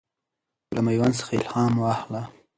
له میوند څخه الهام واخله.